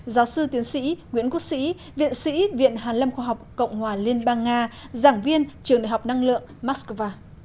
giáo sư tiến sĩ nguyễn quốc sĩ viện sĩ viện hàn lâm khoa học cộng hòa liên bang nga giảng viên trường đại học năng lượng moscow